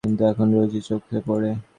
কিন্তু, এখন রোজই চোখে পড়ে।